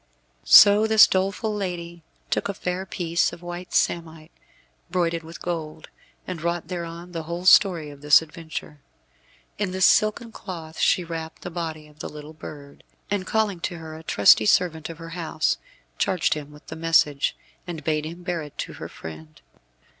So this doleful lady took a fair piece of white samite, broidered with gold, and wrought thereon the whole story of this adventure. In this silken cloth she wrapped the body of the little bird, and calling to her a trusty servant of her house, charged him with the message, and bade him bear it to her friend.